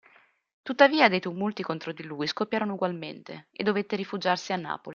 Tuttavia dei tumulti contro di lui scoppiarono ugualmente, e dovette rifugiarsi a Napoli.